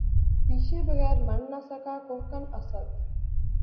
تیشے بغیر مر نہ سکا کوہکن، اسد